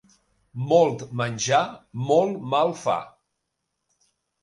Molt menjar molt mal fa.